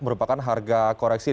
merupakan harga koreksi